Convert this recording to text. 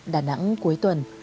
đà nẵng cuối tuần